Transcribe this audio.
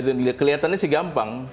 kalau dilihat dari kelihatannya sih gampang